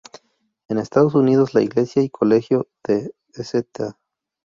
En Estados Unidos, la Iglesia y Colegio de Sta.